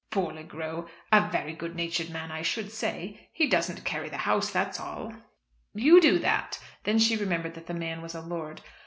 "Poor old Le Gros! A very good natured man, I should say. He doesn't carry the house, that's all." "You do that." Then she remembered that the man was a lord.